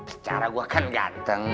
secara gue kan ganteng